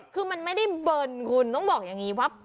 คือมันไม่ได้เบิร์นคุณต้องบอกอย่างนี้ว่า